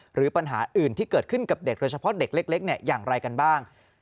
หรือปัญหาอื่นที่เกิดขึ้นกับเด็กโดยเฉพาะเด็กเล็กอย่างไรกันบ้าง